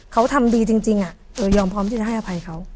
เขาทำดีจริงยอมพร้อมที่จะให้อภัยเขา